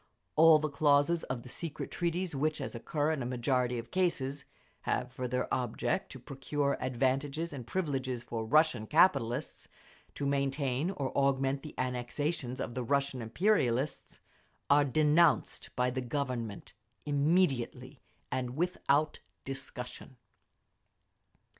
All the clauses of the secret treaties which, as occur in a majority of cases, have for their object to procure advantages and privileges for Russian capitalists, to maintain or augment the annexations of the Russian imperialists, are denounced by the Government immediately and without discussion.